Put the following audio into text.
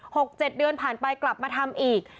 หกเจ็ดเดือนผ่านไปกลับมาทำอีก